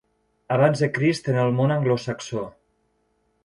Abans de Crist en el món anglosaxó.